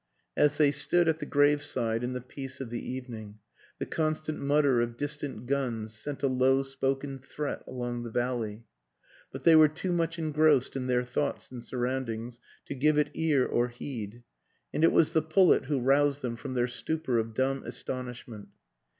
As they stood at the graveside in the peace of the evening, the constant mutter of distant guns sent a low spoken threat along the valley; but they were too much engrossed in their thoughts and surroundings to give it ear or heed, and it was the pullet who roused them from their stupor of dumb astonishment.